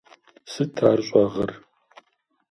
Сыт ар щӏэгъыр?